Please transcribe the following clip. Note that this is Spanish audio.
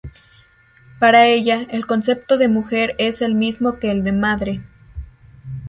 Para ella, el concepto de mujer es el mismo que el de madre.